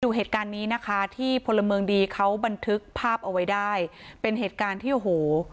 ดูเหตุการณ์นี้นะคะที่พลเมืองดีเขาบันทึกภาพเอาไว้ได้เป็นเหตุการณ์ที่โอ้โห